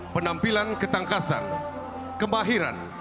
penampilan ketangkasan kemahiran